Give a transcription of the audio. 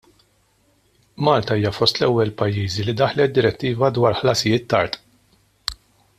Malta hija fost l-ewwel pajjiżi li daħlet direttiva dwar ħlasijiet tard.